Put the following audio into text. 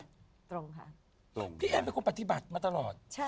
ตรงที่แอร์ลักคมคุณปฏิบัติมาตลอด